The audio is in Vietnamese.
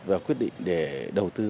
và quyết định để đầu tư